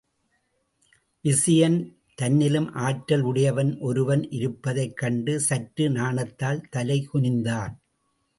விசயன் தன்னினும் ஆற்றல் உடையவன் ஒருவன் இருப்பதைக் கண்டு சற்று நாணத்தால் தலைகுனிந்தான்.